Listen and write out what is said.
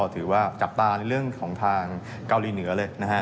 ถือว่าจับตาในเรื่องของทางเกาหลีเหนือเลยนะฮะ